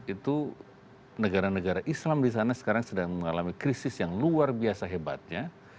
itu negara negara islam di sana sekarang sedang mengalami krisis yang luar biasa hebatnya